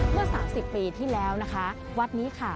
เมื่อ๓๐ปีที่แล้วนะคะวัดนี้ค่ะ